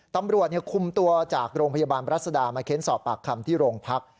ตำรวจคุมตัวจากโรงพยาบาลรัศดามาเค้นสอบปากคำที่โรงพัก